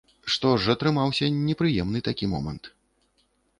Што ж атрымаўся непрыемны такі момант.